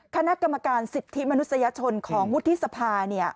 คณะกรรมการสิทธิมนุษยชนของมุฒิทธิสภาเนี่ย